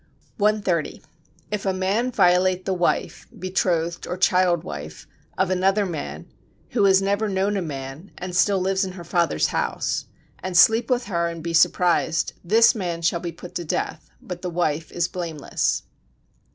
130. If a man violate the wife [betrothed or child wife] of another man, who has never known a man, and still lives in her father's house, and sleep with her and be surprised, this man shall be put to death, but the wife is blameless.